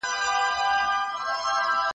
سبزي د بدن لپاره ګټوره ده.